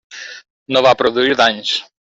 No va produir danys.